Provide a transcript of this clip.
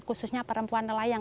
khususnya perempuan nelayan